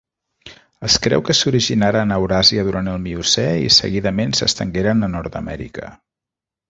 Es creu que s'originaren a Euràsia durant el Miocè i seguidament s'estengueren a Nord-amèrica.